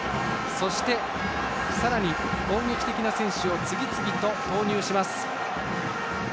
さらに、攻撃的な選手を次々と投入します。